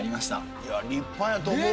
いや立派やと思う。